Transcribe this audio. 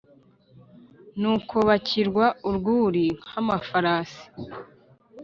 Nuko bakwirwa urwuri nk’amafarasi,